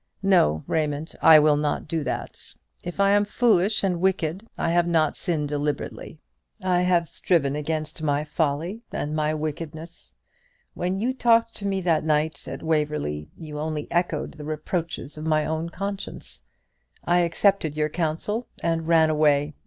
No, Raymond, I will not do that. If I am foolish and wicked, I have not sinned deliberately. I have striven against my folly and my wickedness. When you talked to me that night at Waverly, you only echoed the reproaches of my own conscience. I accepted your counsel, and ran away.